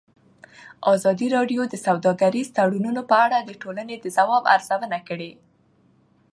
ازادي راډیو د سوداګریز تړونونه په اړه د ټولنې د ځواب ارزونه کړې.